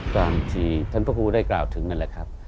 ตามที่ท่านพระครูได้กล่าวถึงนั่นแหละครับ